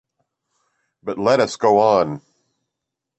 But let us go on.